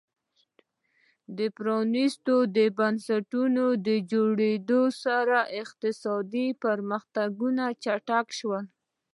د پرانیستو بنسټونو په جوړېدو سره اقتصادي پرمختګونه چټک شول.